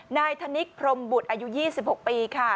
นายธนิกพรมบุตรอายุ๒๖ปีค่ะ